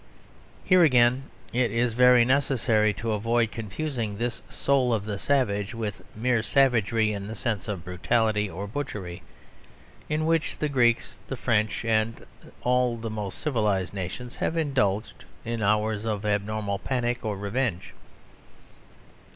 Here, again, it is very necessary to avoid confusing this soul of the savage with mere savagery in the sense of brutality or butchery; in which the Greeks, the French and all the most civilised nations have indulged in hours of abnormal panic or revenge.